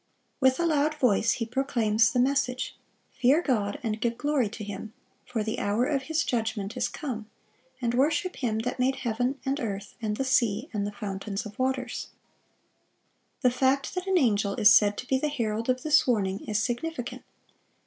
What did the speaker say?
"With a loud voice" he proclaims the message, "Fear God, and give glory to Him; for the hour of His judgment is come: and worship Him that made heaven, and earth, and the sea, and the fountains of waters."(590) The fact that an angel is said to be the herald of this warning, is significant.